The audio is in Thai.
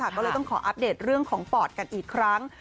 ก็เลยต้องขออัปเดตเรื่องของปอดกันอีกครั้ง